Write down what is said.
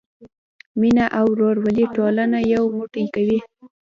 مینه او ورورولي ټولنه یو موټی کوي.